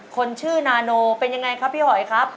คนชื่อนาโนเป็นยังไงครับพี่หอยครับ